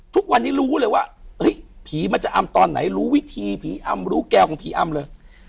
ทุกวันนี้รู้เลยว่าผีมันจะอำตอนไหนรู้วิธีผีอำรู้แก้วของผีอำเลย